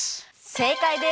正解です。